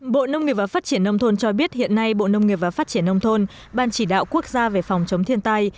bộ nông nghiệp và phát triển nông thôn cho biết hiện nay bộ nông nghiệp và phát triển nông thôn ban chỉ đạo quốc gia về phòng chống thiên tai